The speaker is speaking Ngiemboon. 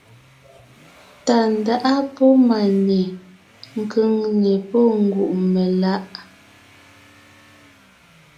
Tàndáʼa pɔ́ Máne; Kʉ̀ŋne pɔ́ Ngùʼmelaʼ.